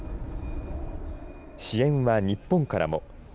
支援は日本からも。